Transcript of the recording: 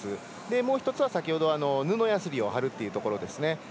もう１つは先ほど布やすりを張るというところですね。